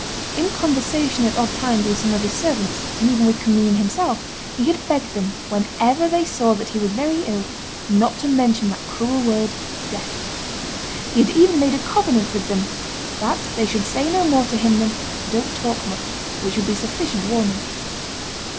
In conversation at odd times with some of his servants, and even with Commynes himself, he had begged them, whenever they saw that he was very ill, not to mention that cruel word death; he had even made a covenant with them, that they should say no more to him than, "Don't talk much," which would be sufficient warning.